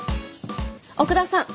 奥田さん。